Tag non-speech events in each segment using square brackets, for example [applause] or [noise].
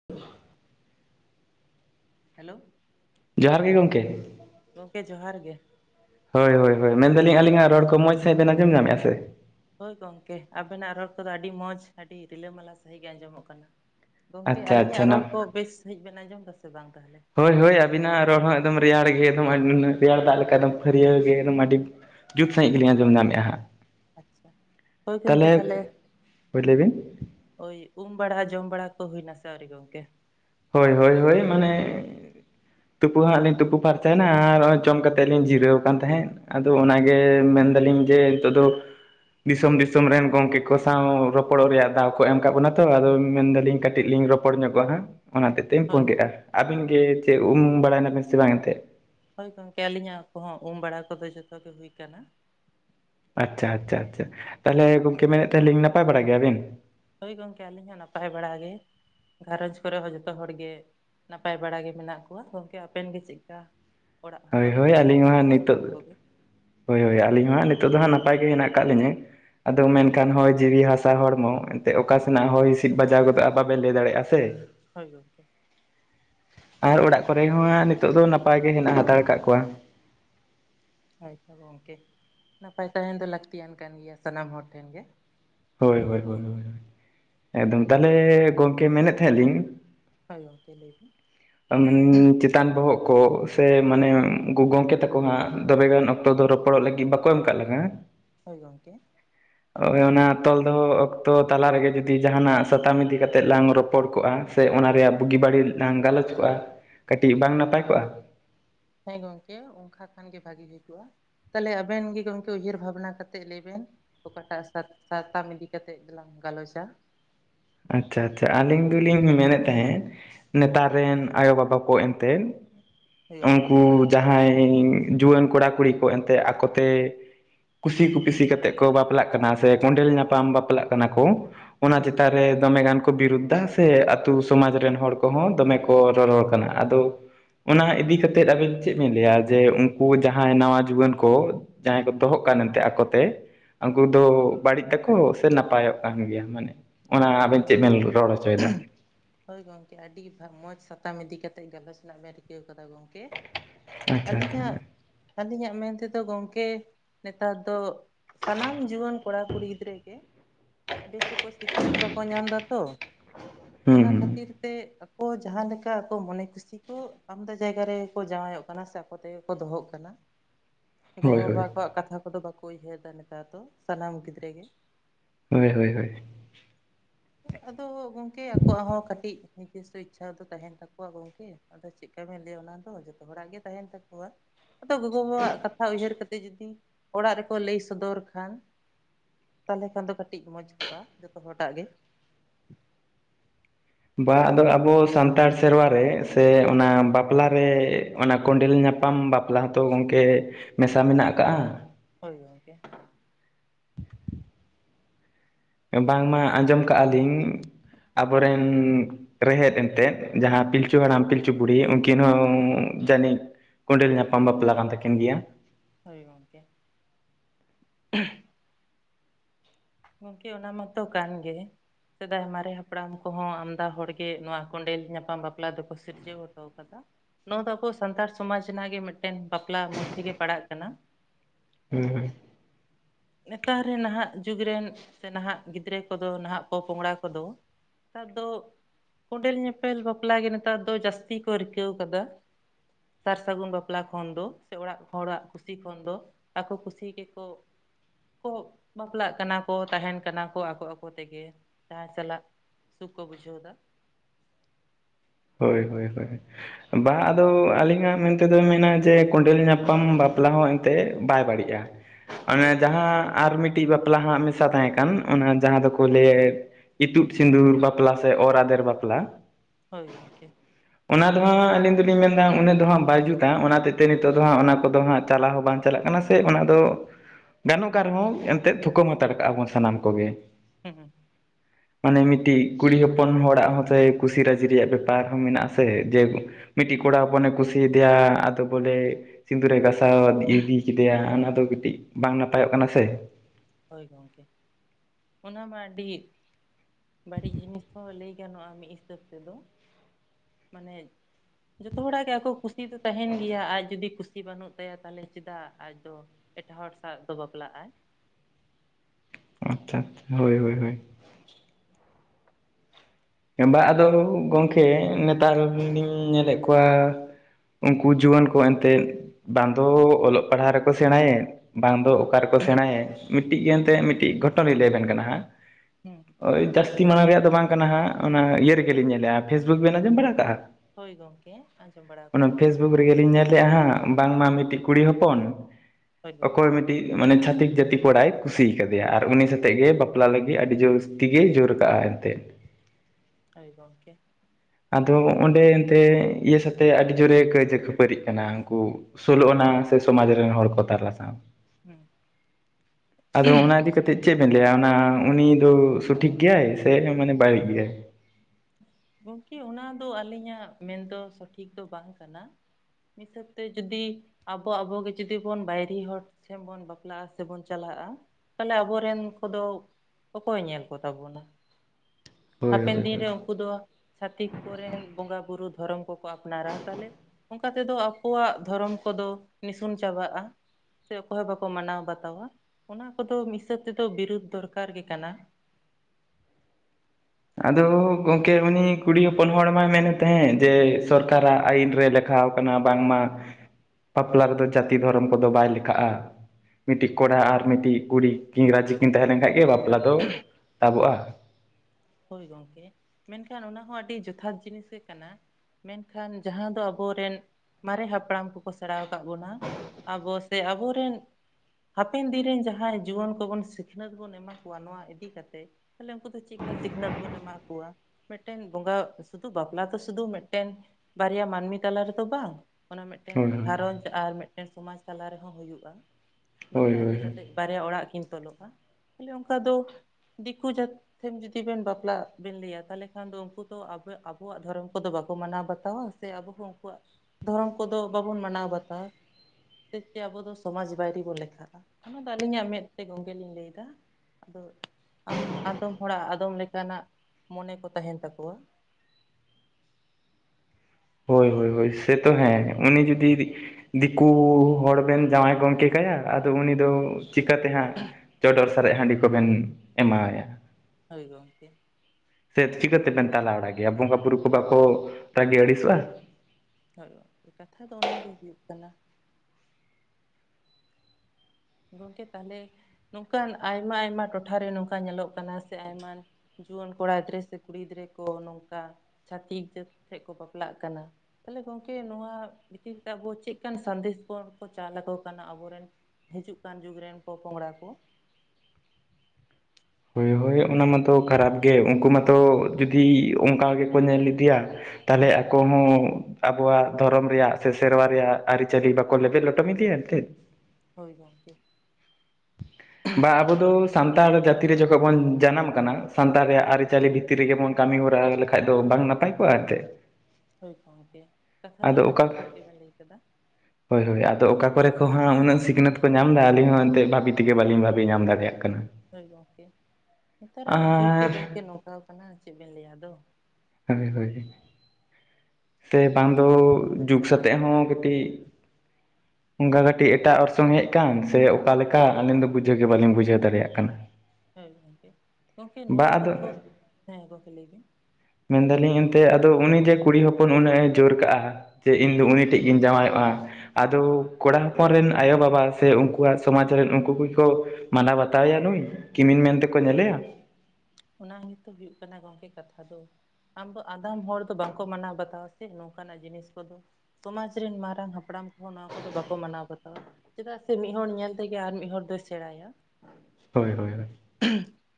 [unintelligible] Hello. ᱡᱚᱦᱟᱨ ᱜᱮ ᱜᱚᱝᱠᱮ᱾ ᱜᱚᱝᱠᱮ ᱡᱚᱦᱟᱨ ᱜᱮ ᱦᱳᱭ ᱦᱳᱭ ᱦᱳᱭ ᱢᱮᱱ ᱫᱟᱞᱤᱧ ᱟᱹᱞᱤᱧᱟᱜ ᱨᱚᱲ ᱠᱚ ᱢᱚᱸᱡᱽ ᱥᱟᱦᱤᱡ ᱵᱮᱱ ᱟᱸᱡᱚᱢ ᱧᱟᱢᱮᱫᱼᱟ ᱥᱮ ᱦᱳᱭ ᱜᱚᱝᱠᱮ ᱟᱵᱮᱱᱟᱜ ᱨᱚᱲ ᱠᱚᱫᱚ ᱟᱹᱰᱤ ᱢᱚᱸᱡᱽ ᱟᱹᱰᱤ ᱨᱤᱞᱟᱹᱢᱟᱞᱟ ᱥᱟᱺᱦᱤᱡ ᱜᱮ ᱟᱸᱡᱚᱢᱚᱜ ᱠᱟᱱᱟ᱾ ᱜᱚᱝᱠᱮ ᱟᱪᱪᱷᱟ ᱟᱪᱪᱷᱟ ᱟᱹᱞᱤᱧᱟᱜ ᱱᱟ ᱨᱚᱲ ᱠᱚ ᱵᱮᱥ ᱥᱟᱺᱦᱤᱡ ᱵᱮᱱ ᱟᱸᱡᱚᱢ ᱫᱟ ᱥᱮ ᱵᱟᱝ ᱛᱟᱦᱚᱞᱮ? ᱦᱳᱭ ᱦᱳᱭ ᱟᱹᱵᱤᱱᱟᱜ ᱨᱚᱲ ᱦᱚᱸ ᱮᱠᱫᱚᱢ ᱨᱮᱭᱟᱲ ᱜᱮ ᱮᱠᱫᱚᱢ [unintelligible] ᱨᱮᱭᱟᱲ ᱫᱟᱜ ᱞᱮᱠᱟ ᱮᱫᱚᱢ ᱯᱟᱹᱨᱭᱟ. ᱲ ᱜᱮ ᱮᱠᱫᱚᱢ ᱟᱹᱰᱤ ᱡᱩᱛ ᱥᱟᱺᱦᱤᱡ ᱜᱮᱞᱤᱧ ᱟᱸᱡᱚᱢ ᱧᱟᱢᱮᱫᱼᱟ ᱦᱟᱸᱜ᱾ ᱟᱪᱪᱷᱟ ᱦᱳᱭ ᱜᱚᱝᱠᱮ ᱛᱟᱦᱚᱞᱮ ᱦᱳᱭ ᱞᱟᱹᱭ ᱵᱤᱱ ᱳᱭ ᱩᱢ ᱵᱟᱲᱟ ᱡᱚᱢ ᱵᱟᱲᱟ ᱠᱚ ᱦᱩᱭ ᱱᱟᱥᱮ ᱟᱹᱣᱨᱤ ᱜᱚᱝᱠᱮ? ᱦᱳᱭ ᱦᱳᱭ ᱦᱳᱭ ᱢᱟᱱᱮ ᱛᱩᱯᱩ ᱦᱟᱸᱜ ᱞᱤᱧ ᱛᱩᱯᱩ ᱯᱷᱟᱨᱪᱟᱭᱮᱱᱟ ᱟᱨ ᱦᱚᱸᱜᱼᱚᱭ ᱡᱚᱢ ᱠᱟᱛᱮᱫ ᱞᱤᱧ ᱡᱤᱨᱟᱹᱣ ᱠᱟᱱ ᱛᱟᱦᱮᱸᱫ᱾ ᱟᱫᱚ ᱚᱱᱟᱜᱮ ᱢᱮᱱᱫᱟᱞᱤᱧ ᱡᱮ ᱦᱤᱛᱚᱜ ᱫᱚ ᱫᱤᱥᱚᱢ ᱫᱤᱥᱚᱢ ᱨᱮᱱ ᱜᱚᱝᱠᱮ ᱠᱚ ᱥᱟᱶ ᱨᱚᱯᱚᱲ ᱨᱮᱭᱟᱜ ᱫᱟᱣ ᱠᱚ ᱮᱢ ᱠᱟᱜ ᱵᱚᱱᱟ ᱛᱚ, ᱟᱫᱚ ᱢᱮᱱᱫᱟᱞᱤᱧ ᱠᱟᱹᱴᱤᱡ ᱞᱤᱧ ᱨᱚ ᱯᱚᱲ ᱧᱚᱜᱚᱜᱼᱟ ᱦᱟᱸᱜ ᱚᱱᱟ ᱦᱚᱛᱮᱡ ᱛᱤᱧ ᱦᱳᱭ ᱯᱷᱳᱱ ᱠᱮᱫᱼᱟ᱾ ᱜᱚᱝ ᱟᱹᱵᱤᱱ ᱜᱮ ᱪᱮᱫ ᱩᱢ ᱵᱟᱲᱟᱭ ᱱᱟᱵᱤᱱ ᱥᱮ ᱵᱟᱝ ᱮᱱᱛᱮᱫ? ᱦᱳᱭ ᱜᱚᱝᱠᱮ ᱟᱹᱞᱤᱧᱟᱜ ᱠᱚᱦᱚᱸ ᱩᱢ ᱵᱟᱲᱟ ᱠᱚᱫᱚ ᱡᱷᱚᱛᱚ ᱜᱮ ᱦᱩᱭ ᱠᱟᱱᱟ᱾ ᱟᱪᱪᱷᱟ ᱟᱪᱪᱷᱟ ᱟᱪᱷᱟ ᱛᱟᱦᱚᱞᱮ ᱜᱚᱝᱠᱮ ᱢᱮᱱᱮᱫ ᱛᱟᱦᱮ ᱟᱞᱤᱧ ᱱᱟᱯᱟᱭ ᱵᱟᱲᱟ ᱜᱮᱭᱟᱵᱤᱱ? ᱦᱳᱭ ᱜᱚᱝᱠᱮ ᱟᱹᱞᱤᱧ ᱦᱚᱸ ᱱᱟᱯᱟᱭ ᱵᱟᱲᱟ ᱜᱮ, ᱜᱷᱟᱨᱚᱸᱡᱽ ᱠᱚᱨᱮ ᱦᱚᱸ ᱡᱚᱛᱚ ᱦᱚᱲᱜᱮ ᱱᱟᱯᱟᱭ ᱵᱟᱲᱟ ᱜᱮ ᱢᱮᱱᱟᱜ ᱠᱚᱣᱟ ᱜᱚᱝᱠᱮ ᱟᱯᱮᱱ ᱜᱮ ᱪᱮᱫᱠᱟ? ᱚᱲᱟᱜ ᱦᱳᱭ ᱠᱚᱨᱮᱜ ᱦᱳᱭ ᱪᱮᱫᱠᱟ ᱟᱹᱞᱤᱧ ᱦᱚᱸ ᱢᱮᱱᱟᱜ ᱦᱟᱸᱜ ᱠᱚᱣᱟ ᱱᱤᱛᱚᱜ ᱥᱟᱱᱟᱢ ᱠᱚᱜᱮ? ᱦᱳᱭ ᱦᱳᱭ ᱟᱹᱞᱤᱧ ᱦᱚᱸ ᱦᱟᱸᱜ ᱱᱤᱛᱚᱜ ᱫᱚ ᱦᱟᱸᱜ ᱱᱟᱯᱟᱭ ᱜᱮ ᱦᱮᱱᱟᱜ ᱠᱟᱜ ᱞᱤᱧᱟᱹ᱾ ᱟᱫᱚ ᱢᱮᱱᱠᱷᱟᱱ ᱦᱚᱭ ᱡᱤᱣᱤ ᱦᱟᱥᱟ ᱦᱚᱲᱢᱚ ᱮᱱᱛᱮᱫ ᱚᱠᱟ ᱥᱮᱱᱟᱜ ᱦᱚᱭ ᱦᱤᱸᱥᱤᱫ ᱵᱟᱡᱟᱣ ᱜᱚᱫᱚᱜᱼᱟ ᱵᱟᱵᱮᱱ ᱞᱟᱹᱭ ᱫᱟᱲᱮᱭᱟᱜᱼᱟ ᱥᱮ᱾ ᱦᱳᱭ ᱜᱚᱝᱠᱮ᱾ ᱟᱨ ᱚᱲᱟᱜ ᱠᱚᱨᱮ ᱦᱚᱸ ᱦᱟᱸᱜ ᱱᱤᱛᱳᱜ ᱫᱚ ᱱᱟᱯᱟᱭ ᱜᱮ ᱦᱮᱱᱟᱜ ᱦᱟᱛᱟᱲ ᱠᱟᱜ ᱠᱚᱣᱟ᱾ ᱦᱚᱭ ᱛᱚ ᱜᱚᱝᱠᱮ, ᱱᱟᱯᱟᱭ ᱛᱟᱦᱮᱱ ᱫᱚ ᱞᱟᱹᱠᱛᱤᱭᱟᱱ ᱠᱟᱱ ᱜᱮᱭᱟ ᱥᱟᱱᱟᱢ ᱦᱚᱲ ᱴᱷᱮᱱ ᱜᱮ᱾ ᱦᱳᱭ ᱦᱳᱭ ᱦᱳᱭ ᱦᱳᱭ ᱮᱠᱫᱚᱢ ᱛᱟᱦᱞᱮ ᱜᱚᱝᱠᱮ ᱢᱮᱱᱮᱫ ᱛᱟᱦᱮᱸᱫ ᱞᱤᱧ ᱦᱚᱭ ᱜᱚᱝᱠᱮ ᱞᱟᱹᱭ ᱵᱤᱱ᱾ [unintelligible] ᱪᱮᱛᱟᱱ ᱵᱚᱦᱚᱜ ᱠᱚ ᱥᱮ ᱢᱟᱱᱮ ᱩᱱᱠᱩ ᱜᱚᱝᱠᱮ ᱛᱟᱠᱚ ᱦᱟᱸᱜ ᱫᱚᱵᱮᱜᱟᱱ ᱚᱠᱛᱚ ᱫᱚ ᱨᱚ ᱯᱚᱲᱚᱜ ᱞᱟᱹᱜᱤᱫ ᱵᱟᱠᱚ ᱮᱢ ᱠᱟᱜ ᱞᱟᱝᱟ᱾ ᱦᱚᱭ ᱜᱚᱝᱠᱮ᱾ ᱦᱳᱭ ᱚᱱᱟ ᱛᱚᱞ ᱫᱚᱦᱚ ᱚᱠᱛᱚ ᱛᱟᱞᱟ ᱨᱮᱜᱮ ᱡᱩᱫᱤ ᱡᱟᱦᱟᱱᱟᱜ ᱥᱟᱛᱟᱢ ᱤᱫᱤ ᱠᱟᱛᱮᱫ ᱞᱟᱝ ᱨᱚᱯᱚᱲ ᱠᱚᱜᱼᱟ᱾ ᱥᱮ ᱚᱱᱟ ᱨᱮᱭᱟᱜ ᱵᱩᱜᱤ ᱵᱟᱹᱲᱤᱡ ᱞᱟᱝ ᱜᱟᱞᱚᱪ ᱠᱚᱜᱼᱟ, ᱠᱟᱹᱴᱤᱡ ᱵᱟᱝ ᱱᱟᱯᱟᱭ ᱠᱚᱜᱼᱟ? ᱦᱮᱸ ᱜᱚᱝᱠᱮ ᱚᱱᱠᱟ ᱠᱷᱟᱱ ᱜᱮ ᱵᱷᱟᱜᱤ ᱦᱩᱭ ᱠᱚᱜᱼᱟ᱾ ᱛᱟᱦᱞᱮ ᱟᱵᱮᱱ ᱜᱮ ᱜᱚᱝᱠᱮ ᱩᱭᱦᱟᱹᱨ ᱵᱷᱟᱵᱱᱟ ᱠᱟᱛᱮᱫ ᱞᱟᱹᱭ ᱵᱮᱱ᱾ ᱚᱠᱟᱴᱟᱜ ᱥᱟᱛ ᱥᱟᱛᱟᱢ ᱤᱫᱤ ᱠᱟᱛᱮᱫ ᱜᱮᱞᱟᱝ ᱜᱟᱞᱚᱪᱟ? ᱟᱪᱪᱷᱟ ᱟᱪᱪᱷᱟ ᱟᱹᱞᱤᱧ ᱫᱩᱞᱤᱧ ᱢᱮᱱᱮᱫ ᱛᱟᱦᱮᱸᱫ ᱱᱮᱛᱟᱨ ᱨᱮᱱ ᱟᱭᱳᱵᱟᱵᱟ ᱠᱚ ᱮᱱᱛᱮᱫ, ᱦᱳᱭ ᱜᱚᱝᱠᱮ ᱩᱱᱠᱩ ᱡᱟᱦᱟᱸᱭ ᱡᱩᱣᱟᱹᱱ ᱠᱚᱲᱟ ᱠᱩᱲᱤ ᱠᱚ ᱮᱱᱛᱮᱫ ᱟᱠᱚ ᱛᱮ ᱠᱩᱥᱤ ᱠᱩᱯᱤᱥᱤ ᱠᱟᱛᱮᱜ ᱠᱚ ᱵᱟᱯᱞᱟᱜ ᱠᱟᱱᱟ ᱥᱮ ᱠᱚᱸᱰᱮᱞ ᱧᱟᱯᱟᱢ ᱵᱟᱯᱞᱟᱜ ᱠᱟᱱᱟ ᱠᱚ, ᱚᱱᱟ ᱦᱩᱸ ᱪᱮ ᱛᱟ ᱨᱮ ᱫᱚᱢᱮ ᱜᱟᱱ ᱠᱚ ᱵᱤᱨᱩᱫᱽᱫᱟ ᱥᱮ ᱟᱹᱛᱩ ᱥᱚᱢᱟᱡᱽ ᱨᱮᱱ ᱦᱚᱲ ᱠᱚᱦᱚᱸ ᱫᱚᱢᱮ ᱠᱚ ᱨᱚᱨᱚᱲ ᱠᱟᱱᱟ ᱟᱫᱚ ᱚᱱᱟ ᱤᱫᱤ ᱠᱟᱛᱮᱫ ᱟᱹᱵᱤᱱ ᱪᱮᱫ ᱵᱤᱱ ᱞᱟᱹᱭᱟ ᱡᱮ ᱩᱱᱠᱩ ᱡᱟᱦᱟᱸᱭ ᱱᱟᱣᱟ ᱡᱩᱣᱟᱹᱱ ᱠᱚ ᱡᱟᱦᱟᱸᱭ ᱠᱚ ᱫᱚᱦᱚᱜ ᱠᱟᱱ ᱮᱱᱛᱮ ᱟᱠᱚᱛᱮ ᱩᱱᱠᱩ ᱫᱚ ᱵᱟᱹᱲᱤᱡ ᱫᱟᱠᱚ ᱥᱮ ᱱᱟᱯᱟᱭᱚᱜ ᱠᱟᱱ ᱜᱮᱭᱟ ᱢᱟᱱᱮ? ᱚᱱᱟ ᱟᱵᱮᱱ ᱪᱮᱫ ᱦᱳᱭᱛᱚ ᱵᱮᱱ ᱨᱚᱲ ᱦᱚᱪᱚᱭᱫᱟ? ᱦᱳᱭ ᱜᱚᱝᱠᱮ ᱟᱹᱰᱤ ᱵᱷᱟ ᱢᱚᱸᱡᱽ ᱥᱟᱛᱟᱢ ᱤᱫᱤ ᱠᱟᱛᱮᱜ ᱜᱟᱞᱚᱪ ᱨᱮᱱᱟᱜ ᱵᱮᱱ ᱨᱤᱠᱟᱹᱣ ᱠᱟᱫᱟ ᱜᱚᱢᱠᱮ᱾ ᱟᱪᱪᱷᱟ ᱟᱹᱞᱤᱧᱟᱜ ᱟᱪᱪᱷᱟ ᱟᱹᱞᱤᱧᱟᱜ ᱢᱮᱱ ᱛᱮᱫᱚ ᱜᱚᱝᱠᱮ ᱱᱮᱛᱟᱨ ᱫᱚ ᱥᱟᱱᱟᱢ ᱡᱩᱭᱟᱹᱱ ᱠᱚᱲᱟ-ᱠᱩᱲᱤ ᱜᱤᱫᱽᱨᱟᱹ ᱜᱮ ᱵᱮᱥ ᱚᱠᱚᱪ ᱥᱤᱠᱷᱱᱟᱹᱛ ᱵᱟᱠᱚ ᱧᱟᱢ ᱫᱟ ᱛᱚ, ᱦᱩᱸ ᱚᱱᱟ ᱠᱷᱟᱹᱛᱤᱨ ᱛᱮ ᱟᱠᱚ ᱡᱟᱦᱟᱸ ᱞᱮᱠᱟ ᱟᱠᱚ ᱢᱚᱱᱮ ᱠᱩᱥᱤ ᱠᱚ ᱟᱢᱫᱟ ᱡᱟᱭᱜᱟ ᱨᱮᱠᱚ ᱡᱟᱶᱟᱭᱚᱜ ᱠᱟᱱᱟ, ᱥᱮ ᱟᱠᱚ ᱛᱮᱜᱮ ᱠᱚ ᱫᱚᱦᱚᱜ ᱠᱟᱱᱟ ᱾ [inaudible] ᱦᱳᱭ ᱜᱚᱜᱚ-ᱵᱟᱵᱟ ᱠᱚᱣᱟᱜ ᱠᱟᱛᱷᱟ ᱠᱚᱫᱚ ᱵᱟᱠᱚ ᱩᱭᱦᱟᱹᱨ ᱫᱟ ᱱᱮᱛᱟᱨ ᱫᱚ ᱥᱟᱱᱟᱢ ᱜᱤᱫᱽᱨᱟᱹ ᱜᱮ᱾ ᱦᱳᱭ ᱦᱳᱭ ᱦᱳᱭ ᱾ ᱟᱫᱚ ᱜᱚᱝᱠᱮ ᱟᱠᱚᱣᱟᱜ ᱦᱚᱸ ᱠᱟᱹᱴᱤᱡ ᱠᱤᱪᱷᱩ ᱤᱪᱷᱟ ᱫᱚ ᱛᱟᱦᱮᱸᱱ ᱛᱟᱠᱚᱣᱟ ᱜᱚᱝᱠᱮ, ᱟᱫᱚ ᱪᱮᱜᱠᱟ ᱵᱤᱱ ᱞᱟᱹᱭᱟ ᱚᱱᱟ ᱫᱚ ᱡᱷᱚᱛᱚ ᱦᱚᱲᱟᱜ ᱜᱮ ᱛᱟᱦᱮᱸᱱ ᱛᱟᱠᱚᱣᱟ ᱾ ᱟᱫᱚ ᱜᱚᱜᱚ-ᱵᱟᱵᱟᱣᱟᱜ ᱠᱟᱛᱷᱟ ᱩᱭᱦᱟᱹᱨ ᱠᱟᱛᱮ ᱡᱩᱫᱤ ᱚᱲᱟᱜ ᱨᱮᱠᱚ ᱞᱟᱹᱭ ᱥᱚᱫᱚᱨ ᱠᱷᱟᱱ ᱛᱟᱦᱞᱮ ᱠᱷᱟᱱ ᱫᱚ ᱠᱟᱹᱴᱤᱡ ᱢᱚᱡᱽ ᱠᱚᱜᱼᱟ ᱡᱷᱚᱛᱚ ᱦᱚᱴᱟᱜ ᱜᱮ ᱾ ᱵᱟ ᱟᱫᱚ ᱟᱵᱚ ᱥᱟᱱᱛᱟᱲ ᱥᱮᱨᱣᱟᱨᱮ ᱥᱮ ᱚᱱᱟ ᱵᱟᱯᱞᱟᱨᱮ ᱚᱱᱟ ᱠᱚᱸᱰᱮᱞ ᱧᱟᱯᱟᱢ ᱵᱟᱯᱞᱟ ᱦᱚᱸᱛᱚ ᱜᱚᱝᱠᱮ ᱢᱮᱥᱟ ᱢᱮᱱᱟᱜ ᱠᱟᱜᱼᱟ ᱾ ᱦᱳᱭ ᱜᱚᱝᱠᱮ ᱾ ᱵᱟᱝᱢᱟ ᱟᱸᱡᱚᱢ ᱠᱟᱜᱼᱟ ᱞᱤᱧ ᱟᱵᱚᱨᱮᱱ ᱨᱮᱦᱮᱫ ᱮᱱᱛᱮᱜ ᱡᱟᱦᱟᱸ ᱯᱤᱞᱪᱩ ᱦᱟᱲᱟᱢ ᱯᱤᱞᱪᱩ ᱵᱩᱲᱦᱤ ᱩᱱᱠᱤᱱ ᱦᱚᱸ ᱡᱟᱹᱱᱤᱡ ᱠᱚᱸᱰᱮᱞ ᱧᱟᱯᱟᱢ ᱵᱟᱯᱞᱟ ᱠᱟᱱ ᱛᱟᱹᱠᱤᱱ ᱜᱮᱭᱟ ᱾ ᱦᱳᱭ ᱜᱚᱢᱠᱮ ᱾ ᱜᱚᱢᱠᱮ ᱚᱱᱟ ᱢᱟᱛᱚ ᱠᱟᱱ ᱜᱮ, ᱥᱮᱫᱟᱭ ᱢᱟᱨᱮ ᱦᱟᱯᱲᱟᱢ ᱠᱚᱦᱚᱸ ᱟᱢᱫᱟ ᱦᱚᱲ ᱜᱮ ᱱᱚᱣᱟ ᱠᱚᱸᱰᱮᱞ ᱧᱟᱯᱟᱢ ᱵᱟᱯᱞᱟ ᱫᱚᱠᱚ ᱥᱤᱨᱡᱟᱹᱣ ᱦᱚᱴᱚ ᱠᱟᱫᱟ ᱾ ᱱᱚᱣᱟ ᱫᱚ ᱟᱵᱚ ᱥᱟᱱᱛᱟᱲ ᱥᱚᱢᱟᱡᱽ ᱨᱮᱱᱟᱜ ᱜᱮ ᱢᱤᱫᱴᱮᱱ ᱵᱟᱯᱞᱟ ᱢᱚᱫᱽᱫᱷᱮ ᱜᱮ ᱯᱟᱲᱟᱜ ᱠᱟᱱᱟ ᱾ ᱦᱩᱸ ᱦᱩᱸ ᱾ ᱱᱮᱛᱟᱨ ᱨᱮ ᱱᱟᱦᱟᱜ ᱡᱩᱜᱽ ᱨᱮᱱ ᱥᱮ ᱱᱟᱦᱟᱜ ᱜᱤᱫᱽᱨᱟᱹ ᱠᱚᱫᱚ ᱱᱟᱦᱟᱜ ᱯᱚᱼᱯᱚᱝᱲᱟ ᱠᱚᱫᱚ ᱱᱮᱛᱟᱨ ᱫᱚ ᱠᱳᱸᱰᱮᱞ ᱧᱮᱯᱮᱞ ᱵᱟᱯᱞᱟ ᱜᱮ ᱱᱮᱛᱟᱨ ᱫᱚ ᱡᱟᱹᱥᱛᱤ ᱠᱚ ᱨᱤᱠᱟᱹᱣ ᱠᱟᱫᱟ ᱾ ᱥᱟᱨ ᱥᱟᱹᱜᱩᱱ ᱵᱟᱯᱞᱟ ᱠᱷᱚᱱ ᱫᱚ ᱥᱮ ᱚᱲᱟᱜ ᱦᱚᱲᱟᱜ ᱠᱩᱥᱤ ᱠᱷᱚᱱ ᱫᱚ, ᱟᱠᱚ ᱠᱩᱥᱤ ᱜᱮᱠᱚ ᱠᱚ ᱵᱟᱯᱞᱟᱜ ᱠᱟᱱᱟ ᱠᱚ ᱛᱟᱦᱮᱸᱱ ᱠᱟᱱᱟ ᱠᱚ ᱟᱠᱚ ᱟᱠᱚ ᱛᱮᱜᱮ ᱡᱟᱦᱟᱸᱭ ᱥᱟᱞᱟᱜ ᱥᱩᱠ ᱠᱚ ᱵᱩᱡᱷᱟᱹᱣ ᱫᱟ, ᱦᱳᱭ ᱦᱳᱭ ᱦᱳᱭ ᱾ ᱵᱟ ᱟᱫᱚ ᱟᱹᱞᱤᱧᱟᱜ ᱢᱮᱱᱛᱮᱫᱚᱭ ᱢᱮᱱᱟ ᱡᱮ ᱠᱚᱸᱰᱮᱞ ᱧᱟᱯᱟᱢ ᱵᱟᱯᱞᱟ ᱦᱚᱸ ᱮᱱ ᱛᱮ ᱵᱟᱭ ᱵᱟᱹᱲᱤᱡᱼᱟ, ᱚᱱᱮ ᱦᱳᱭ ᱡᱟᱦᱟᱸ ᱜᱚᱝᱠᱮ ᱟᱨ ᱢᱤᱫᱴᱤᱡ ᱵᱟᱯᱞᱟ ᱦᱟᱸᱜ ᱢᱮᱥᱟ ᱛᱟᱦᱮᱸ ᱠᱟᱱ ᱚᱱᱮ ᱡᱟᱦᱟᱸ ᱫᱚᱠᱚ ᱞᱟᱹᱭᱮᱛ ᱤᱛᱩᱫ ᱥᱤᱸᱫᱩᱨ ᱵᱟᱯᱞᱟ ᱥᱮ ᱚᱨ ᱟᱫᱮᱨ ᱵᱟᱯᱞᱟ, ᱦᱳᱭ ᱜᱚᱝᱠᱮ ᱾ ᱚᱱᱟ ᱫᱚ ᱦᱟᱸᱜ ᱟᱹᱞᱤᱧ ᱫᱚᱞᱤᱧ ᱢᱮᱱᱫᱟ ᱩᱱᱟᱹᱜ ᱫᱚ ᱦᱟᱸᱜ ᱵᱟᱭ ᱡᱩᱛᱟ, ᱚᱱᱟᱛᱮ ᱛᱮ ᱱᱤᱛᱚᱜ ᱫᱚ ᱦᱟᱸᱜ ᱚᱱᱟ ᱠᱚᱫᱚ ᱦᱟᱸᱜ ᱪᱟᱞᱟᱣ ᱦᱚᱸ ᱵᱟᱝ ᱪᱟᱞᱟᱜ ᱠᱟᱱᱟ, ᱥᱮ ᱚᱱᱟ ᱫᱚ ᱜᱟᱱᱚᱜ ᱠᱟᱱ ᱨᱮᱦᱚᱸ ᱮᱱᱛᱮᱫ ᱛᱷᱩᱠᱟᱹᱢ ᱦᱟᱛᱟᱲ ᱠᱟᱜᱼᱟ ᱵᱚᱱ ᱥᱟᱱᱟᱢ ᱠᱚᱜᱮ ᱾ ᱦᱩᱸ ᱦᱩᱸ ᱾ ᱢᱟᱱᱮ ᱢᱤᱛᱴᱤᱪ ᱠᱩᱲᱤ ᱦᱚᱯᱚᱱ ᱦᱚᱲᱟᱜ ᱦᱚᱸ ᱥᱮ ᱠᱩᱥᱤ ᱨᱟᱹ ᱡᱤ ᱨᱮᱭᱟᱜ ᱵᱮᱯᱟᱨ ᱦᱚᱸ ᱢᱮᱱᱟᱜᱼᱟ ᱥᱮ ᱡᱮ ᱢᱤᱫᱴᱤᱡ ᱠᱚᱲᱟ ᱦᱚᱯᱚᱱᱮ ᱠᱩᱥᱤᱭᱟᱫᱮᱭᱟ, ᱟᱫᱚ ᱵᱚᱞᱮ ᱥᱤᱸᱫᱩᱨᱮ ᱜᱟᱥᱟᱣ ᱤᱫᱤ ᱠᱮᱫᱮᱭᱟ ᱚᱱᱟ ᱫᱚ ᱠᱟᱹᱴᱤᱡ ᱵᱟᱝ ᱱᱟᱯᱟᱭᱚᱜ ᱠᱟᱱᱟ ᱥᱮ? ᱦᱳᱭ ᱜᱚᱝᱠᱮ, ᱚᱱᱟᱢᱟ ᱟᱹᱰᱤ ᱵᱟᱹᱲᱤᱡ ᱡᱤᱱᱤᱥ ᱦᱚᱸ ᱞᱟᱹᱭ ᱜᱟᱱᱚᱜᱼᱟ ᱢᱤᱫ ᱦᱤᱥᱟᱹᱵ ᱛᱮᱫᱚ ᱾ ᱢᱟᱱᱮ ᱡᱷᱚᱛᱚ ᱦᱚᱲᱟᱜ ᱜᱮ ᱟᱠᱚ ᱠᱩᱥᱤ ᱫᱚ ᱛᱟᱦᱮᱸᱱ ᱜᱮᱭᱟ ᱟᱡ ᱡᱩᱫᱤ ᱠᱩᱥᱤ ᱵᱟᱹᱱᱩᱜ ᱛᱟᱭᱟ ᱛᱟᱦᱞᱮ ᱪᱮᱫᱟᱜ ᱟᱡ ᱫᱚ ᱮᱴᱟᱜ ᱦᱚᱲ ᱥᱟᱶ ᱫᱚ ᱵᱟᱯᱞᱟᱜᱼᱟᱭ᱾ ᱟᱪᱪᱷᱟ ᱦᱳᱭ ᱦᱳᱭ ᱦᱳᱭ᱾ ᱮᱵᱟ ᱟᱫᱚ ᱜᱚᱢᱠᱮ ᱱᱮᱛᱟᱨ ᱞᱤᱧ ᱧᱮᱞᱮᱫ ᱠᱚᱣᱟ᱾ ᱩᱱᱠᱩ ᱡᱩᱣᱟᱹᱱ ᱠᱚ ᱮᱱᱛᱮᱛ ᱵᱟᱝ ᱫᱚ ᱚᱞᱚᱜ ᱯᱟᱲᱦᱟᱜ ᱨᱮᱠᱚ ᱥᱮᱬᱟᱭᱮᱫ ᱵᱟᱝ ᱫᱚ᱾ ᱚᱲᱟᱜ ᱨᱮ ᱠᱚ ᱥᱮᱬᱟᱭᱮᱫ ᱢᱤᱫᱴᱤᱡ ᱜᱮ ᱮᱱᱛᱮᱫ ᱢᱤᱫᱴᱤᱡ ᱜᱷᱚᱴᱚᱱᱤᱧ ᱞᱟᱹᱭ ᱟᱵᱮᱱ ᱠᱟᱱᱟ ᱦᱟᱸᱜ᱾ ᱦᱩᱸ ᱳᱭ ᱡᱟᱹᱥᱛᱤ ᱢᱟᱲᱟᱝ ᱨᱮᱭᱟᱜ ᱫᱚ ᱵᱟᱝ ᱠᱟᱱᱟ ᱦᱟᱸᱜ, ᱚᱱᱟ ᱤᱭᱟᱹ ᱨᱮᱜᱮᱞᱤᱧ ᱧᱮᱞᱮᱜᱼᱟ᱾ ᱯᱷᱮᱥᱵᱩᱠ ᱵᱮᱱ ᱟᱸᱡᱚᱢ ᱵᱟᱲᱟ ᱠᱟᱜᱼᱟ᱾ ᱦᱳᱭ ᱜᱚᱢᱠᱮ ᱟᱸᱡᱚᱢ ᱵᱟᱲᱟ ᱠᱟᱫᱟᱞᱤᱧ᱾ [unintelligible] ᱧᱮᱞᱮᱫᱼᱟ ᱦᱟᱜ ᱵᱟᱝ ᱢᱟ ᱢᱤᱫᱴᱤᱡ ᱠᱩᱲᱤ ᱦᱚᱯᱚᱱ ᱦᱳᱭ ᱚᱠᱚᱭ ᱜᱚᱝᱠᱮ ᱢᱤᱫ᱾ ᱢᱟᱱᱮ ᱪᱷᱟᱛᱤᱠ ᱡᱟᱹᱛᱤ ᱠᱚᱲᱟᱭ ᱠᱩᱥᱤ ᱠᱟᱫᱮᱭᱟ ᱟᱨ ᱩᱱᱤ ᱥᱟᱛᱮᱜ ᱜᱮ ᱵᱟᱯᱞᱟ ᱞᱟᱹᱜᱤᱫ ᱟᱹᱰᱤ ᱡᱳᱨ᱾ ᱛᱤ ᱜᱮ ᱡᱳᱨ ᱠᱟᱜᱼᱟ, ᱮᱱᱛᱮᱛ᱾ ᱟᱭ ᱜᱚᱢᱠᱮ ᱟᱫᱚ ᱚᱸᱰᱮ ᱮᱱᱛᱮ ᱤᱭᱟᱹ ᱥᱟᱛᱮᱜ ᱟᱹᱰᱤ ᱡᱳᱨᱮ ᱠᱟᱹᱭᱡᱟᱹ ᱠᱷᱟᱹᱯᱟᱹᱨᱤᱜ ᱠᱟᱱᱟ ᱩᱱᱠᱩ᱾ ᱥᱳᱞᱳ ᱟᱱᱟ ᱥᱮ ᱥᱚᱢᱟᱡᱽ ᱨᱮᱱ ᱦᱚᱲ ᱠᱚ ᱛᱟᱞᱟ ᱥᱟᱶ ᱦᱩᱸ ᱟᱫᱚ ᱚᱱᱟ ᱤᱫᱤ᱾ ᱠᱟᱛᱮᱛ ᱪᱮᱫ ᱵᱮᱱ ᱞᱟᱹᱭᱼᱟ ᱚᱱᱟ ᱩᱱᱤ ᱫᱚ ᱥᱚᱴᱷᱤᱠ ᱜᱮᱭᱟᱭ ᱥᱮ ᱢᱟᱱᱮ ᱵᱟᱹᱲᱤᱡ ᱜᱮᱭᱟᱭ? ᱜᱚᱢᱠᱮ ᱚᱱᱟ ᱫᱚ ᱟᱹᱞᱤᱧᱟᱜ ᱢᱮᱱ ᱫᱚ ᱥᱚᱴᱷᱤᱠ ᱫᱚ ᱵᱟᱝ ᱠᱟᱱᱟ᱾ ᱦᱤᱥᱟᱹᱵᱽ ᱛᱮ ᱡᱩᱫᱤ᱾ ᱟᱵᱚ ᱟᱵᱚ ᱜᱮ ᱡᱩᱫᱤ ᱵᱚᱱ ᱵᱟᱭᱨᱮ ᱦᱚᱲ ᱴᱷᱮᱱ ᱵᱚᱱ ᱵᱟᱯᱞᱟᱜᱼᱟ, ᱥᱮᱵᱚᱱ ᱪᱟᱞᱟᱜᱼᱟ᱾ ᱛᱟᱦᱚᱞᱮ ᱟᱵᱚᱨᱮᱱ ᱠᱚᱫᱚ ᱚᱠᱚᱭ ᱧᱮᱞ ᱠᱚᱛᱟ ᱵᱚᱱᱟ? [unintelligible] ᱦᱟᱯᱮᱱ ᱦᱳᱭ ᱫᱤᱱ ᱦᱳᱭ ᱨᱮ ᱩᱱᱠᱩ ᱫᱚ ᱪᱷᱟᱹᱛᱤᱠ ᱠᱚᱨᱮᱱ ᱵᱚᱸᱜᱟ ᱵᱩᱨᱩ ᱫᱷᱚᱨᱚᱢ ᱠᱚᱠᱚ ᱟᱯᱱᱟᱨ ᱛᱟᱦᱞᱮ᱾ ᱚᱱᱠᱟ ᱛᱮᱫᱚ ᱟᱠᱚᱣᱟᱜ ᱫᱷᱚᱨᱚᱢ ᱠᱚᱫᱚ ᱱᱤᱥᱩᱱ ᱪᱟᱵᱟᱜᱼᱟ᱾ ᱥᱮ ᱚᱠᱚᱭ ᱦᱚᱸ ᱵᱟᱠᱚ ᱢᱟᱱᱟᱣ ᱵᱟᱛᱟᱣᱟ, ᱚᱱᱟ ᱠᱚᱫᱚ ᱢᱤᱫ ᱦᱤᱥᱟᱹᱵ ᱛᱮᱫᱚ ᱵᱤᱨᱩᱫ ᱫᱚᱨᱠᱟᱨ ᱜᱮ ᱠᱟᱱᱟ᱾ ᱟᱫᱚ ᱜᱚᱢᱠᱮ ᱩᱱᱤ ᱠᱩᱲᱤ ᱦᱚᱯᱚᱱ ᱦᱚᱲ ᱢᱟᱭ ᱢᱮᱱᱮᱫ ᱛᱟᱦᱮᱸᱫ ᱡᱮ ᱥᱚᱨᱠᱟᱨᱟᱜ ᱟᱹᱭᱤᱱ ᱨᱮ ᱞᱮᱠᱟ᱾ ᱞᱮᱠᱷᱟᱜ ᱠᱟᱱᱟ, ᱵᱟᱝ ᱢᱟ ᱵᱟᱯᱞᱟ ᱨᱮᱫᱚ ᱡᱟᱹᱛᱤ ᱫᱷᱚᱨᱚᱢ ᱠᱚᱫᱚ ᱵᱟᱭ ᱞᱮᱠᱷᱟᱜᱼᱟ᱾ ᱢᱤᱫᱴᱤᱡ ᱠᱚᱲᱟ ᱟᱨ ᱢᱤᱫᱴᱤᱡ ᱠᱩᱲᱤ ᱠᱤᱱ ᱨᱟᱡᱤ ᱠᱤᱱ ᱛᱟᱦᱮᱸ ᱞᱮᱱᱠᱷᱚᱱ ᱜᱮ ᱵᱟᱯᱞᱟ ᱫᱚ ᱛᱟᱵᱚᱜᱼᱟ᱾ ᱦᱳᱭ ᱜᱚᱢᱠᱮ ᱢᱮᱱᱠᱷᱟᱱ ᱚᱱᱟ ᱦᱚᱸ ᱟᱹᱰᱤ ᱡᱚᱛᱷᱟᱛ ᱡᱤᱱᱤᱥ ᱜᱮ ᱠᱟᱱᱟ᱾ ᱢᱮᱱᱠᱷᱟᱱ ᱡᱟᱦᱟᱸ ᱫᱚ ᱟᱵᱚᱨᱮᱱ ᱢᱟᱨᱮ ᱦᱟᱯᱲᱟᱢ ᱠᱚᱠᱚ ᱥᱮᱬᱟ ᱟᱠᱟᱫ ᱵᱚᱱᱟ ᱟᱵᱚ᱾ ᱛᱮ ᱟᱵᱚᱨᱮᱱ ᱦᱟᱯᱮᱱ ᱫᱤᱱ ᱨᱮᱱ ᱡᱟᱦᱟᱸᱭ ᱡᱩᱣᱟᱹᱱ ᱠᱚᱵᱚᱱ ᱥᱤᱠᱷᱱᱟᱹᱛ ᱵᱚᱱ, ᱮᱢᱟ ᱠᱚᱣᱟ ᱱᱚᱣᱟ ᱤᱫᱤ ᱠᱟᱛᱮᱛ᱾ ᱛᱟᱦᱚᱞᱮ ᱩᱱᱠᱩ ᱫᱚ ᱪᱮ᱾ ᱥᱤᱠᱷᱱᱟᱹᱛ ᱵᱚᱱ ᱮᱢᱟ ᱠᱚᱣᱟ, ᱢᱤᱫᱴᱮᱱ ᱵᱚᱸᱜᱟ ᱥᱩᱫᱷᱩ ᱵᱟᱯᱞᱟ ᱫᱚ ᱥᱩᱫᱩ ᱢᱤᱫᱴᱮᱱ᱾ ᱵᱟᱨᱭᱟ ᱢᱟᱹᱱᱢᱤ ᱛᱟᱞᱟ ᱨᱮᱛᱚ ᱵᱟᱝ᱾ ᱚᱱᱟ ᱢᱤᱫᱴᱮᱱ ᱦᱳᱭ ᱦᱳᱭ ᱜᱷᱟᱨᱚᱸᱡᱽ ᱟᱨ ᱢᱤᱫᱴᱮᱱ ᱥᱚᱢᱟᱡ ᱛᱟᱞᱟ ᱨᱮᱦᱚᱸ ᱦᱩᱭᱩᱜᱼᱟ᱾ ᱵᱟᱯᱞᱟ ᱤᱫᱤ ᱦᱳᱭ ᱠᱟᱛᱮᱫ ᱵᱟᱨᱭᱟ ᱚᱲᱟᱜ ᱠᱤᱱ ᱛᱚᱞᱚᱜᱼᱟ, ᱛᱟᱦᱚᱞᱮ ᱚᱱᱠᱟ ᱫᱚ ᱫᱤᱠᱩ ᱡᱟᱛ᱾ ᱛᱮᱢ ᱡᱩᱫᱤ ᱵᱮᱱ ᱵᱟᱯᱞᱟᱜ ᱵᱮᱱ ᱞᱟᱹᱭᱼᱟ ᱛᱟᱦᱚᱞᱮ ᱠᱷᱟᱱ ᱫᱚ ᱩᱱᱠᱩ ᱫᱚ ᱟᱵᱚᱣᱟᱜ ᱫᱷᱚᱨᱚᱢ ᱠᱚᱫᱚ ᱵᱟᱠᱚ ᱢᱟᱱᱟᱣ ᱵᱟᱛᱟᱣᱼᱟ᱾ ᱥᱮ ᱟᱵᱚ ᱦᱚᱸ ᱩᱱᱠᱩᱣᱟᱜ ᱫᱷᱚᱨᱚᱢ ᱠᱚᱫᱚ ᱵᱟᱵᱚᱱ ᱢᱟᱱᱟᱣ ᱵᱟᱛᱟᱣᱼᱟ᱾ ᱦᱚᱛᱮᱡ ᱛᱮ ᱟᱵᱚ ᱫᱚ ᱥᱚᱢᱟᱡᱽ ᱵᱟᱭᱨᱤ ᱵᱚᱱ ᱞᱮᱠᱷᱟᱜᱼᱟ, ᱚᱱᱟ ᱫᱚ ᱟᱹᱞᱤᱧᱟᱜ ᱢᱮᱫ ᱛᱮ ᱜᱚᱢᱠᱮ ᱞᱤᱧ ᱞᱟᱹᱭ ᱫᱟ᱾ ᱟᱫᱚ ᱟᱫᱚᱢ ᱦᱚᱲᱟᱜ ᱟᱫᱚᱢ ᱞᱮᱠᱟᱱᱟᱜ ᱢᱚᱱᱮ ᱠᱚ ᱛᱟᱦᱮᱱ ᱛᱟᱠᱚᱣᱼᱟ᱾ ᱦᱳᱭ ᱦᱳᱭ ᱦᱳᱭ ᱥᱮᱛᱚ ᱦᱮᱸ ᱩᱱᱤ ᱡᱩᱫᱤ᱾ ᱫᱤᱠᱩ ᱦᱚᱲ ᱵᱮᱱ ᱡᱟᱶᱟᱭ ᱜᱚᱢᱠᱮ ᱠᱟᱭᱟ ᱟᱫᱚ ᱩᱱᱤ ᱫᱚ᱾ ᱪᱤᱠᱟᱹᱛᱮᱦᱟᱸᱜ ᱪᱚᱰᱚᱨ ᱥᱟᱨᱮᱡ ᱦᱟᱺᱰᱤ ᱠᱚᱵᱮᱱ ᱮᱢᱟᱣᱼᱟ᱾ ᱦᱳᱭ ᱜᱚᱢᱠᱮ᱾ ᱥᱮ ᱪᱤᱠᱟᱹᱛᱮᱵᱮᱱ ᱛᱟᱞᱟ ᱚᱲᱟᱜ ᱜᱮᱭᱟ, ᱵᱚᱸᱜᱟ ᱵᱩᱨᱩ ᱠᱚ ᱵᱟᱠᱚ ᱨᱟᱜᱤ- ᱟᱹᱲᱤᱥᱚᱜᱼᱟ᱾ [unintelligible] ᱦᱳᱭ ᱠᱟᱛᱷᱟ ᱫᱚ ᱚᱱᱟ ᱜᱮ ᱦᱩᱭᱩᱜ ᱠᱟᱱᱟ᱾ ᱜᱚᱝᱠᱮ ᱛᱟᱦᱚᱞᱮ ᱱᱚᱝᱠᱟᱱ ᱟᱭᱢᱟ ᱟᱭᱢᱟ ᱴᱚᱴᱷᱟᱨᱮ ᱱᱚᱝᱠᱟ ᱧᱮᱞᱚᱜ ᱠᱟᱱᱟ ᱥᱮ ᱟᱭᱢᱟᱱ, ᱡᱩᱣᱟᱹᱱ ᱠᱚᱲᱟ ᱜᱤᱫᱽᱨᱟᱹ ᱥᱮ ᱠᱩᱲᱤ ᱜᱤᱫᱽᱨᱟᱹ ᱠᱚ ᱱᱚᱝᱠᱟ ᱪᱷᱟᱹᱛᱤᱠ ᱡᱟᱹᱛ ᱴᱷᱮᱜ ᱠᱚ ᱵᱟᱯᱞᱟᱜ ᱠᱟᱱᱟ᱾ ᱛᱟᱦᱚᱞᱮ ᱜᱚᱝᱠᱮ ᱱᱚᱣᱟ [unintelligible] ᱠᱟᱛᱮᱫ ᱟᱵᱚ ᱪᱮᱫᱠᱟᱱ ᱥᱟᱸᱫᱮᱥ ᱵᱚᱱ ᱠᱚ ᱪᱟᱞ ᱟᱠᱚ ᱠᱟᱱᱟ ᱟᱵᱚᱨᱮᱱ, ᱦᱤᱡᱩᱜ ᱠᱟᱱ ᱡᱩᱜᱽ ᱨᱮᱱ ᱯᱚᱯᱚᱜᱽᱲᱟ ᱠᱚ᱾ ᱦᱳᱭ ᱦᱳᱭ ᱚᱱᱟ ᱢᱟᱛᱚ ᱠᱷᱟᱨᱟᱯ ᱜᱮ ᱩᱱᱠᱩ ᱢᱟᱛᱚ ᱡᱩᱫᱤ ᱚᱱᱠᱟ ᱜᱮᱠᱚ ᱧᱮᱞ ᱤᱫᱤᱭᱟ᱾ ᱛᱟᱦᱚᱞᱮ ᱦᱩᱸ ᱟᱠᱚ ᱦᱚᱸ, ᱟᱵᱚᱣᱟᱜ ᱫᱷᱚᱨᱚᱢ ᱨᱮᱭᱟᱜ ᱥᱮ ᱥᱮᱨᱣᱟ ᱨᱮᱭᱟᱜ ᱟᱹᱨᱤᱪᱟᱹᱞᱤ ᱵᱟᱠᱚ ᱞᱮᱵᱮ ᱞᱚᱴᱚᱢ ᱤᱫᱤᱭᱟ ᱮᱱᱛᱮᱫ, ᱦᱚᱭ ᱜᱚᱝᱠᱮ᱾ ᱵᱟ ᱟᱵᱚ ᱫᱚ ᱥᱟᱱ, ᱛᱟᱲ ᱡᱟᱹᱛᱤ ᱨᱮ ᱡᱚᱠᱷᱚᱭ ᱵᱚᱱ ᱡᱟᱱᱟᱢ ᱟᱠᱟᱱᱟ ᱥᱟᱱᱛᱟᱲ ᱨᱮᱭᱟᱜ ᱟᱹᱨᱤᱪᱟᱹᱞᱤ ᱵᱷᱤᱛᱤᱨ ᱨᱮᱜᱮ ᱵᱚᱱ ᱠᱟᱹᱢᱤ ᱦᱚᱨᱟ ᱞᱮᱠᱷᱟᱭ ᱫᱚ ᱵᱟᱝ ᱱᱟᱯᱟᱭ ᱠᱚᱼᱟ ᱮᱱᱛᱮᱜ ᱦᱳᱭ ᱜᱚᱝᱠᱮ ᱠᱟᱛᱷᱟ ᱫᱚ ᱟᱹᱰᱤ ᱡᱚᱛᱷᱟᱛ ᱜᱮᱵᱮᱱ ᱞᱟᱹᱭ ᱠᱟᱫᱟ᱾ ᱦᱳᱭ ᱦᱳᱭ ᱟᱫᱚ ᱚᱠᱟ ᱠᱚᱨᱮ ᱠᱚ ᱦᱟᱸᱜ ᱩᱱᱟᱹᱜ ᱥᱤᱠᱷᱱᱹᱛ ᱠᱚ ᱧᱟᱢ ᱫᱟ ᱟᱞᱤᱧ ᱦᱚᱸ ᱮᱱᱛᱮᱜ ᱵᱷᱟᱵᱤ ᱛᱮᱜᱮ, ᱜᱮ ᱵᱟᱹᱞᱤᱧ ᱵᱷᱟᱵᱤ ᱧᱟᱢ ᱫᱟᱲᱮᱭᱟᱜ ᱠᱟᱱᱟ᱾ ᱦᱳᱭ ᱜᱚᱝᱠᱮ ᱱᱮᱛᱟᱨᱟᱜ ᱡᱩᱜᱽ ᱜᱮ ᱟᱨ ᱜᱚᱢᱹᱝᱠᱮ ᱱᱚᱝᱠᱟᱣ ᱠᱟᱱᱟ ᱪᱮᱫ ᱵᱮᱱ ᱞᱟᱹᱭᱟ ᱟᱫᱚ, ᱦᱳᱭ ᱦᱳᱭ᱾ ᱥᱮ ᱵᱟᱝ ᱫᱚ ᱡᱩᱜᱽ ᱥᱟᱛᱮᱜ ᱦᱚᱸ ᱠᱟᱹᱴᱤᱜ ᱚᱱᱠᱟ ᱠᱟᱹᱴᱤᱜ ᱮᱴᱟᱜ ᱚᱨᱥᱚᱝ ᱦᱮᱜ ᱠᱟᱱ ᱥᱮ ᱚᱠᱟᱞᱮᱠᱟ ᱟᱹᱞᱤᱧ ᱫᱚ ᱵᱩᱡᱷᱟᱹᱣ ᱜᱮ ᱵᱟᱹᱞᱤᱧ ᱵᱩᱡᱷᱟᱹᱣ ᱫᱟᱲᱮᱭᱟᱜ ᱠᱟᱱᱟ᱾ ᱦᱮᱸ ᱜᱚᱝᱠᱮ, ᱜᱚᱝᱠᱮ ᱱᱚᱣᱟ ᱵᱟ ᱟᱫᱚ ᱠᱚᱫᱚ ᱦᱮᱸ ᱜᱚᱝᱠᱮ ᱞᱟᱹᱭ ᱵᱤᱱ? ᱢᱮᱱᱫᱟᱞᱤᱧ ᱮᱱᱛᱮᱜ ᱟᱫᱚ ᱩᱱᱤ ᱡᱮ ᱠᱩᱲᱤ ᱦᱚᱯ ᱯᱚᱱ ᱩᱱᱟᱹᱜ ᱮ ᱡᱳᱨ ᱠᱟᱜᱼᱟ ᱡᱮ ᱤᱧ ᱫᱚ ᱩᱱᱤ ᱴᱷᱮᱜ ᱜᱤᱧ ᱡᱟᱶᱟᱭᱚᱜᱼᱟ᱾ ᱟᱫᱚ ᱠᱚᱲᱟ ᱦᱚᱯᱚᱱ ᱨᱮᱱ ᱟᱭᱳᱵᱟᱵᱟ ᱥᱮ ᱩᱱᱠᱩᱣᱟᱜ ᱥᱚᱢᱟᱡᱽ ᱨᱮᱱ ᱩᱱᱠᱩ ᱠᱚᱜᱮ ᱠᱚ ᱢᱟᱱᱟᱣ ᱵᱟᱛᱟᱣᱭᱟ ᱱᱩᱭ, ᱠᱤᱢᱤᱱ ᱢᱮᱱ ᱛᱮᱠᱚ ᱧᱮᱞᱮᱭᱟ᱾ ᱚᱱᱟ ᱜᱮᱛᱚ ᱦᱩᱭᱩᱜ ᱠᱟᱱᱟ ᱜᱚᱝᱠᱮ ᱠᱟᱛᱷᱟ ᱫᱚ, ᱟᱢᱫᱚ ᱟᱫᱟᱢ ᱦᱚᱲ ᱫᱚ ᱵᱟᱝᱠᱚ ᱢᱟᱱᱟᱣ ᱵᱟᱛᱟᱣᱟ ᱥᱮ ᱱᱚᱝᱠᱟᱱᱟᱜ ᱡᱤᱱᱤᱥ ᱠᱚᱫᱚ ᱥᱚᱢᱟᱡᱽ ᱨᱮᱱ ᱢᱟᱨᱟᱝ ᱦᱟᱯᱲᱟᱢ ᱠᱚᱦᱚᱸ ᱱᱚᱣᱟ ᱠᱚᱫᱚ ᱵᱟᱠᱚ ᱢᱟᱱᱟᱣ ᱵᱟᱛᱟᱣᱟ᱾ ᱡᱮᱫᱟᱜ ᱥᱮ ᱢᱤᱜ ᱦᱚᱲ ᱧᱮᱞᱛᱮ ᱜᱮ ᱟᱨ ᱢᱤᱜ ᱦᱚᱲ ᱫᱚᱭ ᱥᱮᱲᱟᱭᱭᱟ ᱦᱳᱭ ᱦᱳᱭ,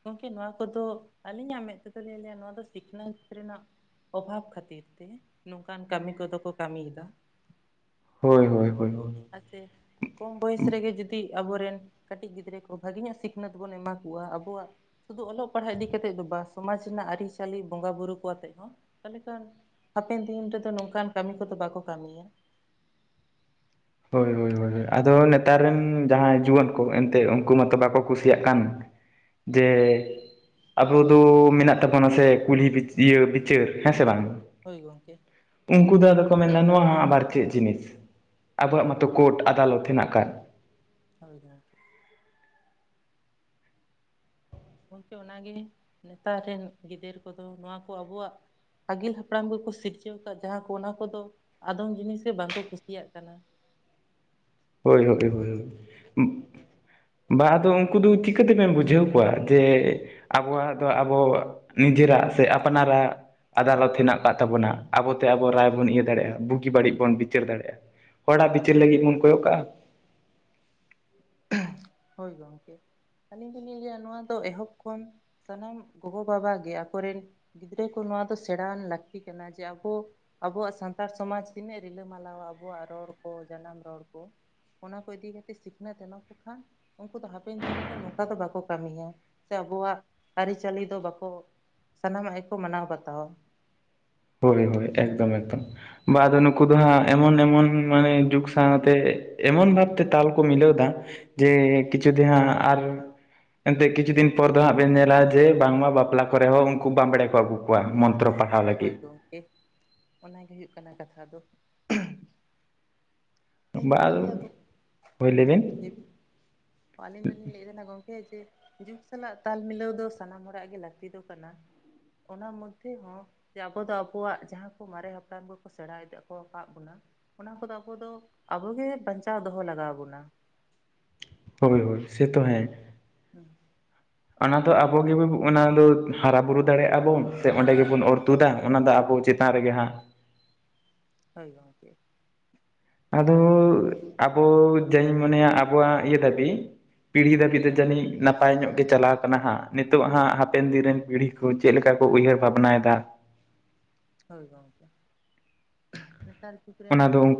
ᱜᱚᱝᱠᱮ ᱱᱚᱣᱟ ᱠᱚᱫᱚ ᱟᱹᱞᱤᱧᱟᱜ ᱢᱮᱫ ᱛᱮᱫᱚ ᱞᱤᱧ ᱞᱟᱹᱭᱟ ᱱᱚᱣᱟ ᱫᱚ ᱥᱤᱠᱷᱱᱟᱹᱛ ᱨᱮᱱᱟᱜ, ᱚᱵᱷᱟᱵᱽ ᱠᱷᱟᱹᱛᱤᱨ ᱛᱮ ᱱᱚᱝᱠᱟᱱ ᱠᱟᱹᱢᱤ ᱠᱚᱫᱚ ᱠᱚ ᱠᱟᱹᱢᱤᱭᱮᱫᱟ᱾ ᱦᱳᱭ ᱦᱳᱭ ᱦᱳᱭ ᱦᱳᱭ, ᱟᱛᱮ, ᱠᱚᱢ ᱵᱚᱭᱮᱥ ᱨᱮᱜᱮ ᱡᱩᱫᱤ ᱟᱵᱚᱨᱮᱱ ᱠᱟᱹᱴᱤᱜ ᱜᱤᱫᱽᱨᱟᱹ ᱠᱚ ᱵᱷᱟᱹᱜᱤ ᱧᱚᱜ ᱥᱤᱠᱷᱱᱟᱹᱛ ᱵᱚᱱ ᱮᱢᱟ ᱠᱚᱣᱟ ᱟᱵᱚᱣᱟᱜ, ᱥᱩᱫᱩ ᱚᱞᱚᱜ ᱯᱟᱲᱦᱟᱜ ᱤᱫᱤ ᱠᱟᱛᱮᱫ ᱫᱚ ᱵᱟᱝ ᱥᱚᱢᱟᱡᱽ ᱨᱮᱱᱟᱜ ᱟᱹᱨᱤᱪᱟᱹᱞᱤ ᱵᱚᱸᱜᱟᱼ ᱵᱩᱨᱩ ᱠᱚ ᱟᱛᱮᱫ ᱦᱚᱸ ᱛᱟᱦᱚᱠᱮ ᱠᱷᱟᱱ ᱦᱟᱯᱮᱱ ᱫᱤᱱ ᱨᱮᱫᱚ ᱱᱚᱝᱠᱟᱱ ᱠᱟᱹᱢᱤ ᱠᱚᱫᱚ ᱵᱟᱠᱚ ᱠᱟᱹᱢᱤᱭᱟ᱾ ᱦᱳᱭ ᱦᱳᱭ ᱦᱳᱭ ᱟᱫᱚ ᱱᱮᱛᱟᱨ ᱨᱮᱱ ᱡᱟᱦᱟᱸᱭ ᱡᱩᱣᱟᱹᱱ ᱠᱚ ᱮᱱᱛᱮᱜ ᱩᱱᱠᱩ ᱢᱟᱛᱚ ᱵᱟᱠᱚ ᱠᱩᱥᱤᱭᱟᱜ ᱠᱟᱱ᱾ ᱡᱮ, ᱟᱵᱚ ᱫᱚ ᱢᱮᱱᱟᱜ ᱛᱟᱵᱚᱱᱟ ᱥᱮ ᱠᱩᱞᱦᱤ ᱵᱤᱪ ᱤᱭᱟᱹ ᱵᱤᱪᱟᱹᱨ ᱦᱮᱸ ᱥᱮ ᱵᱟᱝ ᱦᱳᱭ ᱜᱚᱝᱠᱮ᱾ ᱩᱱᱠᱩ ᱫᱚ ᱟᱫᱚ ᱠᱚ ᱢᱮᱱᱫᱟ ᱱᱚᱣᱟ ᱦᱚᱸ ᱟᱵᱟᱨ ᱪᱮᱜ ᱡᱤᱱᱤᱥ ᱦᱩᱸ ᱟᱵᱚᱣᱟᱜ ᱢᱟᱛᱚ ᱠᱚᱴ ᱟᱫᱟᱞᱚᱛ ᱦᱮᱱᱟᱜ ᱠᱟᱫ᱾ ᱦᱚᱭ ᱦᱚᱭ, ᱜᱚᱝᱠᱮ ᱚᱱᱟᱜᱮ ᱱᱮᱛᱟᱨ ᱨᱮᱱ ᱜᱤᱫᱟᱹᱨ ᱠᱚᱫᱚ ᱱᱚᱣᱟᱠᱚ ᱟᱵᱚᱣᱟᱜ ᱟᱹᱜᱤᱞ ᱦᱟᱯᱲᱟᱢ ᱠᱚᱠᱚ ᱥᱤᱨᱡᱟᱹᱣ ᱠᱟᱜ ᱡᱟᱦᱟᱸ ᱠᱚ ᱚᱱᱟ ᱠᱚᱫᱚ ᱟᱫᱚᱢ ᱡᱤᱱᱤᱥ ᱜᱮ ᱵᱟᱝ ᱠᱚ ᱠᱩᱥᱤᱭᱟᱜ ᱠᱟᱱᱟ᱾ ᱦᱳᱭ ᱦᱳᱭ ᱦᱳᱭ ᱦᱳᱭ, ᱵᱟ ᱟᱫᱚ ᱩᱱᱠᱩ ᱫᱚ ᱪᱤᱠᱟᱹ ᱛᱮᱵᱮᱢ ᱵᱩᱡᱷᱟᱹᱣ ᱠᱚᱣᱟ ᱡᱮ, ᱟᱵᱚᱣᱟᱜ ᱫᱚ ᱟᱵᱚ ᱱᱤᱡᱮᱨᱟᱜ ᱥᱮ ᱟᱯᱱᱟᱨᱟᱜ ᱟᱫᱟᱞᱚᱛ ᱦᱮᱱᱟᱜ ᱠᱟᱜ ᱛᱟᱵᱚᱱᱟ ᱟᱵᱚᱛᱮ ᱟᱵᱚ ᱨᱟᱭ ᱵᱚᱱ ᱤᱭᱟᱹ ᱫᱟᱲᱮᱜ-ᱟ ᱵᱩᱜᱤ ᱵᱟᱹᱲᱤᱡ ᱵᱚᱱ ᱵᱤᱪᱟᱹᱨ ᱫᱟᱲᱮᱜ-ᱟ᱾ ᱦᱚᱲᱟᱜ ᱵᱤᱪᱟᱹᱨ ᱞᱟᱹᱜᱤᱫ ᱵᱚᱱ ᱠᱚᱭᱚᱜ ᱠᱟᱜᱟ᱾ ᱦᱳᱭ ᱜᱚᱝᱠᱮ ᱟᱹᱞᱤᱧ ᱫᱚ [unintelligible] ᱱᱚᱣᱟ ᱫᱚ ᱮᱦᱚᱵ ᱠᱷᱚᱱ ᱥᱟᱱᱟᱢ ᱜᱚᱜᱚ ᱵᱟᱵᱟ ᱜᱮ ᱟᱠᱚᱨᱮᱱ ᱜᱤᱫᱽᱨᱟᱹ ᱠᱚ ᱱᱚᱣᱟ ᱫᱚ ᱥᱮᱬᱟᱣᱟᱱ ᱞᱟᱹᱠᱛᱤ ᱠᱟᱱᱟ ᱡᱮ ᱟᱵᱚ ᱟᱵᱚᱣᱟᱜ ᱥᱟᱱᱛᱟᱲ ᱥᱚᱢᱟᱡᱽ ᱛᱤᱱᱟᱹᱜ ᱨᱤᱞᱟᱹ ᱢᱟᱞᱟᱣ-ᱟ ᱟᱵᱚᱣᱟᱜ ᱨᱚᱲ ᱠᱚ ᱡᱟᱱᱟᱢ ᱨᱚᱲ ᱠᱚ᱾ ᱚᱱᱟ ᱠᱚ ᱤᱫᱤ ᱠᱟᱛᱮᱫ ᱥᱤᱠᱷᱱᱟᱹᱛ ᱮᱢᱟ ᱠᱚᱠᱷᱟᱱ ᱩᱝᱠᱩ ᱫᱚ ᱦᱟᱯᱮᱱ ᱫᱤᱱ ᱨᱮᱫᱚ ᱱᱚᱝᱠᱟ ᱫᱚ ᱵᱟᱠᱚ ᱠᱟᱹᱢᱤᱭᱟ ᱥᱮ ᱟᱵᱚᱣᱟᱜ ᱟᱹᱨᱤᱪᱟᱹᱞᱤ ᱫᱚ ᱵᱟᱠᱚ ᱥᱟᱱᱟᱢᱟᱜ ᱜᱮ ᱠᱚ ᱢᱟᱱᱟᱣ ᱵᱟᱛᱟᱣ-ᱟ᱾ ᱦᱳᱭ ᱦᱳᱭ ᱮᱠᱫᱚᱢ ᱮᱠᱫᱚᱢ᱾ ᱵᱟ ᱟᱫᱚ ᱱᱩᱠᱩ ᱫᱚ ᱦᱟᱸᱜ ᱮᱢᱚᱱ ᱮᱢᱚᱱ ᱢᱟᱱᱮ ᱡᱩᱜᱽ ᱥᱟᱶᱛᱮ ᱮᱢᱚᱱ ᱵᱷᱟᱵᱛᱮ ᱛᱟᱞ ᱠᱚ ᱢᱤᱞᱟᱹᱣ ᱫᱟ ᱡᱮ ᱠᱤᱪᱩ ᱫᱤᱱ ᱦᱟᱸᱜ ᱟᱨ ᱮᱱᱛᱮᱜ ᱠᱤᱪᱷᱩ ᱫᱤᱱ ᱯᱚᱨ ᱫᱚ ᱦᱟᱸᱜ ᱵᱮᱱ ᱧᱮᱞᱟ ᱡᱮ ᱵᱟᱝᱢᱟ ᱵᱟᱯᱞᱟ ᱠᱚᱨᱮ ᱦᱚᱸ ᱩᱝᱠᱩ ᱵᱟᱢᱵᱲᱮ ᱠᱚ ᱟᱹᱜᱩ ᱠᱚᱣᱟ, ᱢᱚᱱᱛᱨᱚ ᱯᱟᱴ ᱦᱳᱭ ᱜᱚᱝᱠᱮ ᱚᱱᱟᱜᱮ ᱦᱩᱭᱩᱜ ᱠᱟᱱᱟ ᱠᱟᱛᱷᱟ ᱫᱚ᱾ ᱟᱞᱤᱧ ᱵᱟ ᱫᱚᱞᱤᱧ ᱞᱟᱹᱭᱟ [unintelligible] ᱜᱚᱝᱠᱮ ᱞᱟᱹᱭ ᱵᱤᱱ? ᱟᱹᱞᱤᱧ ᱫᱚᱞᱤᱧ ᱞᱟᱹᱭᱮᱫ ᱛᱟᱦᱮᱱᱟ ᱜᱚᱝᱠᱮ ᱡᱮ ᱡᱩᱜᱽ ᱥᱟᱞᱟᱜ ᱛᱟᱞ ᱢᱤᱞᱟᱹᱣ ᱫᱚ ᱥᱟᱱᱟᱢ ᱦᱚᱲᱟᱜ ᱜᱮ ᱞᱟᱹᱠᱛᱤ ᱫᱚ ᱠᱟᱱᱟ᱾ ᱚᱱᱟ ᱢᱚᱫᱷᱮ ᱦᱚᱸ ᱡᱮ ᱟᱵᱚ ᱫᱚ ᱟᱵᱚᱣᱟᱜ ᱡᱟᱦᱟᱸ ᱠᱚ ᱢᱟᱨᱮ ᱦᱟᱯᱲᱟᱢ ᱠᱚᱠᱚ ᱥᱮᱬᱟ ᱤᱫᱤ ᱟᱠᱚ ᱠᱟᱫᱜ ᱵᱚᱱᱟ ᱚᱱᱟ ᱠᱚᱫᱚ ᱟᱵᱚ ᱫᱚ ᱟᱵᱚ ᱜᱮ ᱵᱟᱧᱪᱟᱣ ᱫᱚᱦᱚ ᱞᱟᱜᱟᱣ ᱟᱵᱚᱱ-ᱟ᱾ ᱦᱳᱭ ᱦᱳᱭ ᱥᱮ ᱛᱚ ᱦᱮᱸ᱾ ᱦᱩᱸ ᱚᱱᱟ ᱫᱚ ᱟᱵᱚ ᱜᱮ ᱵᱟᱵᱩ ᱚᱱᱟ ᱫᱚ ᱦᱟᱨᱟ ᱵᱩᱨᱩ ᱫᱟᱲᱮᱭᱟᱜ-ᱟ ᱵᱚᱱ ᱛᱮ ᱚᱸᱰᱮ ᱜᱮᱵᱚᱱ ᱚᱨ ᱛᱩᱫᱟ ᱚᱱᱟ ᱫᱚ ᱟᱵᱚ ᱪᱮᱛ ᱛᱟᱱ ᱨᱮᱜᱮ ᱦᱟᱸᱜ᱾ ᱦᱳᱭ ᱜᱚᱝᱠᱮ ᱟᱫᱚ ᱟᱵᱚ ᱡᱟᱧ ᱢᱚᱱᱮᱭ-ᱟ ᱟᱵᱚᱣᱟᱜ ᱤᱭᱟᱹ ᱫᱷᱟᱹᱵᱤᱡ ᱯᱤᱲᱦᱤ ᱫᱟᱹᱵᱤ ᱫᱚ ᱡᱟᱹᱱᱤᱡ ᱱᱟᱯᱟᱭ ᱧᱚᱜ ᱜᱮ ᱪᱟᱞᱟᱣ ᱠᱟᱱᱟ ᱦᱟᱸᱜ ᱱᱤᱛᱚᱜ ᱦᱟᱸᱜ ᱦᱟᱯᱮᱱ ᱫᱤᱱ ᱨᱮᱱ ᱯᱤᱲᱦᱤ ᱠᱩ ᱪᱮᱫ ᱞᱮᱠᱟ ᱠᱚ ᱩᱭᱦᱟᱹᱨ ᱵᱷᱟᱵᱽᱱᱟᱭ ᱫᱟ᱾ ᱦᱳᱭ ᱜᱚᱝᱠᱮ ᱱᱮᱛᱟᱨ ᱡᱽᱨᱮ ᱨᱮᱱ ᱚᱱᱟ ᱫᱚ ᱥᱟᱱᱟᱢ